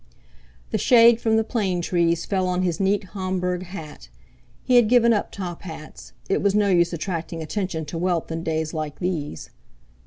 The shade from the plane trees fell on his neat Homburg hat; he had given up top hats—it was no use attracting attention to wealth in days like these.